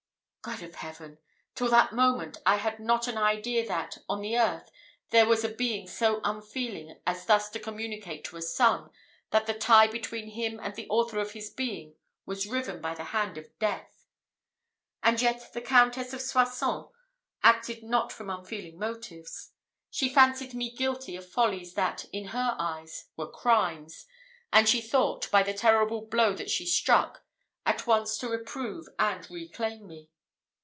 God of heaven! till that moment, I had not an idea that, on the earth, there was a being so unfeeling as thus to communicate to a son, that the tie between him and the Author of his being was riven by the hand of Death! And yet the Countess de Soissons acted not from unfeeling motives; she fancied me guilty of follies that, in her eyes, were crimes, and she thought, by the terrible blow that she struck, at once to reprove and reclaim me.